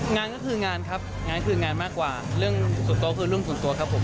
งานก็คืองานครับงานคืองานมากกว่าเรื่องส่วนตัวก็คือเรื่องส่วนตัวครับผม